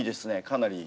かなり。